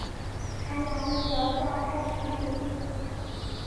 还拿了脚架拍环景